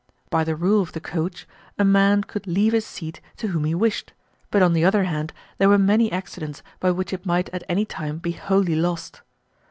By the rule of the coach a man could leave his seat to whom he wished, but on the other hand there were many accidents by which it might at any time be wholly lost.